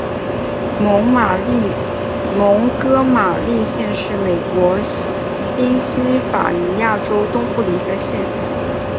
蒙哥马利县是美国宾夕法尼亚州东南部的一个县。